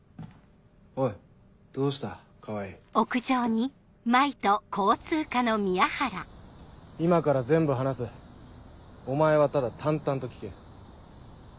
・おいどうした川合・今から全部話すお前はただ淡々と聞け。